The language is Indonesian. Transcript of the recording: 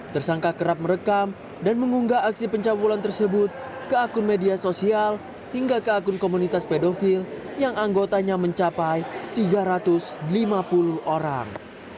tersangka kerap merekam dan mengunggah aksi pencabulan tersebut ke akun media sosial hingga ke akun komunitas pedofil yang anggotanya mencapai tiga ratus lima puluh orang